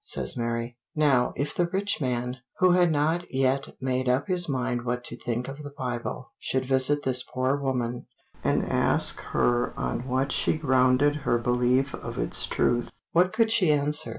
says Mary. Now, if the rich man, who had not yet made up his mind what to think of the Bible, should visit this poor woman, and ask her on what she grounded her belief of its truth, what could she answer?